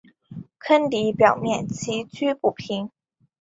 坑底表面崎岖不平。